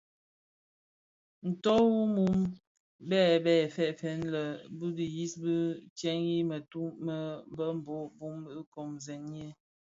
Ntug wu bum bë bè fèëfèg lè bi dhiyis bö tseghi mëtug me bhehho bum bë komzèn ňyi.